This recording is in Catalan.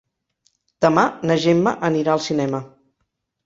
Demà na Gemma anirà al cinema.